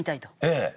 ええ。